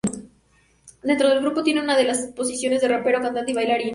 Dentro del grupo tiene una de las posiciones de rapero, cantante y bailarín.